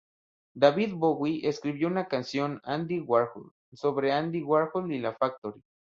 David Bowie escribió un canción, "Andy Warhol," sobre Andy Warhol y la Factory.